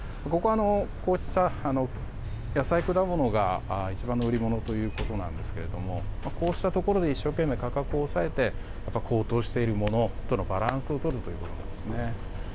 こうした野菜・果物が一番の売り物ということですがこうしたところで一生懸命、価格を抑えて高騰しているものとのバランスをとるということですね。